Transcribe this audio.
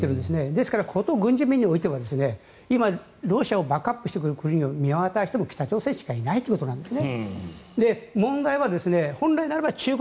ですのでこと軍事面においては今、ロシアをバックアップしている国を見渡しても北朝鮮しかいないということです。